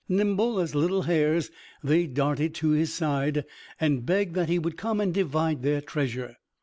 Nimble as little hares they darted to his side, and begged that he would come and divide their treasure.